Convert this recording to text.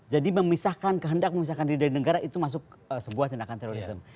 jadi memisahkan kehendak memisahkan diri dari negara itu masuk sebuah tindakan terorisme